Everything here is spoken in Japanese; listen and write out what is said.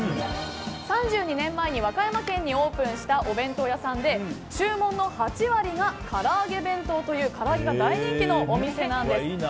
３２年前に和歌山県にオープンしたお弁当屋さんで注文の８割がからあげ弁当というからあげが大人気のお店なんです。